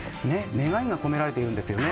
願いが込められているんですよね。